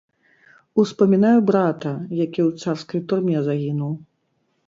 Успамінаю брата, які ў царскай турме загінуў.